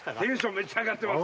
めっちゃ上がってます